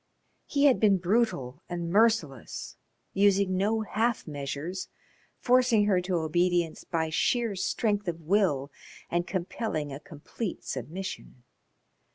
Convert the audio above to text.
He had been brutal and merciless, using no half measures, forcing her to obedience by sheer strength of will and compelling a complete submission.